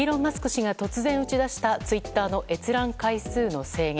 氏が突然、打ち出したツイッターの閲覧回数の制限。